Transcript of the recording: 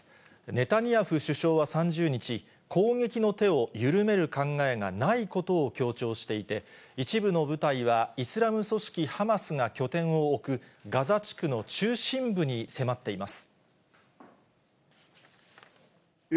ネタニヤフ首相は３０日、攻撃の手を緩める考えがないことを強調していて、一部の部隊はイスラム組織ハマスが拠点を置くガザ地区の中心部に迫っています。